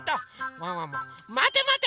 ワンワンもまてまて！